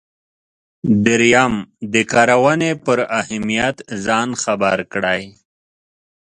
دریم د کارونې پر اهمیت ځان خبر کړئ.